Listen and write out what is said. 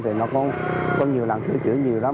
thì nó có nhiều lần sửa chữa nhiều lắm